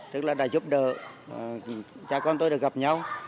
tức là đã giúp đỡ cha con tôi được gặp nhau